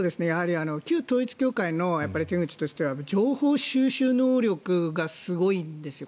旧統一教会の手口としては情報収集能力がすごいんですよ。